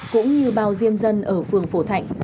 cũng như bao diêm dân ở phường phổ thạnh